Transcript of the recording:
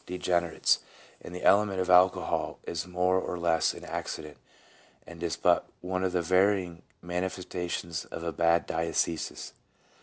degenerates, and the element of alcohol is more or less an accident, and is but one of the varying mani festations of a bad diathesis.